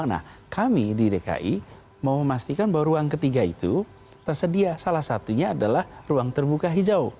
nah kami di dki mau memastikan bahwa ruang ketiga itu tersedia salah satunya adalah ruang terbuka hijau